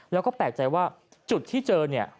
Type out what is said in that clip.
แล้วก็แปลกใจว่าจุดที่เจอเนี่ย